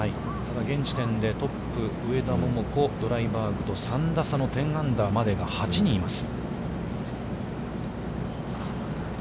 現時点でトップ、上田桃子、ドライバーグと３打差の１０アンダーまでが、８人います。